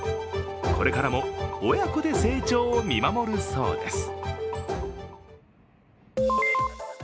これからも親子で成長を見守るそうです。